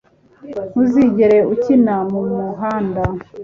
Ntuzigere ukina mumuhanda